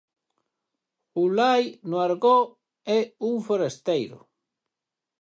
Julai, no argot, é un forasteiro.